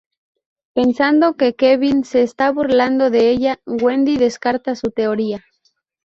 Pensando que Kevin se está burlando de ella, Wendy descarta su teoría.